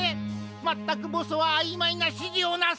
まったくボスはあいまいなしじをなさる！